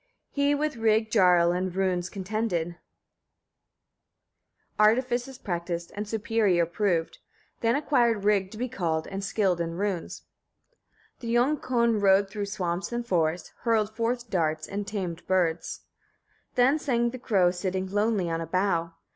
42. He with Rig Jarl in runes contended, artifices practised, and superior proved; then acquired Rig to be called, and skilled in runes. 43. The young Kon rode through swamps and forests, hurled forth darts, and tamed birds. 44. Then sang the crow, sitting lonely on a bough!